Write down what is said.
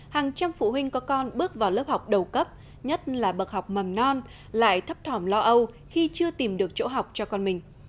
hàng trăm phụ huynh có con bước vào lớp học đầu cấp nhất là bậc học mầm non lại thấp thỏm lo âu khi chưa tìm được chỗ học cho con mình